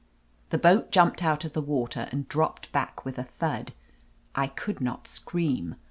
The boat jumped out of the water and dropped back with a thud. I could not scream.